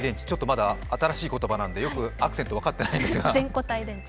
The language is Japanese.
まだ新しい言葉なんでアクセント、分かっていないんですが。